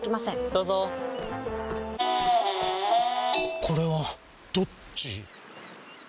どうぞこれはどっち？